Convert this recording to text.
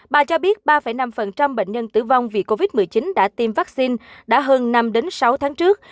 bà cho biết ba năm bệnh nhân tử vong vì covid một mươi chín đã tiêm vaccine đã hơn năm sáu tháng trước